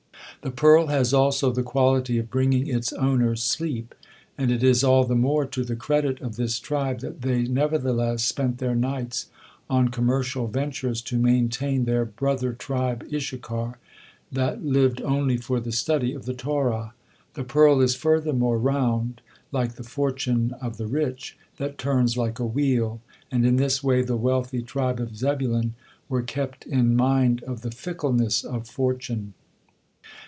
The pearl has also the quality of bringing its owner sleep, and it is all the more to the credit of this tribe that they nevertheless spent their nights on commercial ventures to maintain their brother tribe Issachar, that lived only for the study of the Torah. The pearl is, furthermore, round, like the fortune of the rich, that turns like a wheel, and in this way the wealthy tribe of Zebulun were kept in mind of the fickleness of fortune.